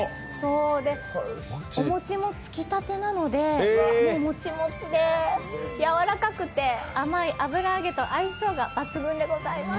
お餅もつきたてなのでもちもちで柔らかくて甘い油揚げと相性が抜群でございます。